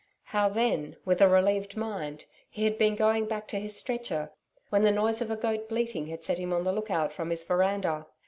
How then, with a relieved mind, he had been going back to his stretcher, when the noise of a goat bleating had set him on the look out from his veranda.